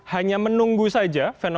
hanya menunggu saja